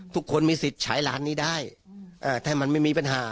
ทุกคนมีสิทธิ์ใช้ร้านนี้ได้ถ้ามันไม่มีปัญหา